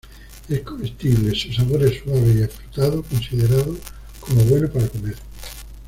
Es comestible, su sabor es suave y afrutado, considerado como bueno para comer.